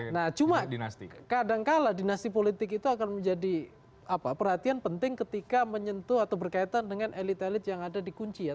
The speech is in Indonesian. nah cuma kadangkala dinasti politik itu akan menjadi perhatian penting ketika menyentuh atau berkaitan dengan elit elit yang ada di kunci ya